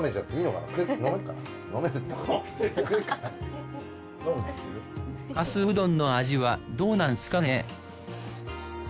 かすうどんの味はどうなんすかね？